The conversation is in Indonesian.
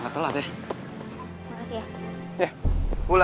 kau akan diberikananzia sombong physicians di penggisa